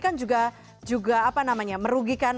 kan juga apa namanya merugikan